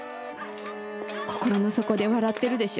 心の底で笑ってるでしょ。